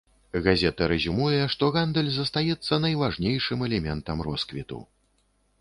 Газета рэзюмуе, што гандаль застаецца найважнейшым элементам росквіту.